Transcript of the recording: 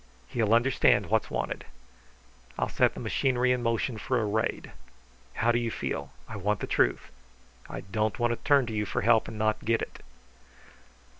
He'll understand what's wanted. I'll set the machinery in motion for a raid. How do you feel? I want the truth. I don't want to turn to you for help and not get it."